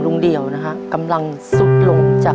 พอลุงเดี่ยวลุงเดี่ยว